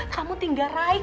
kamu tinggal raik